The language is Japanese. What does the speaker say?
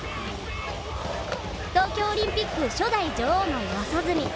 東京オリンピック初代女王の四十住